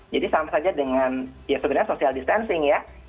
jadi sama saja dengan ya sebenarnya social distancing ya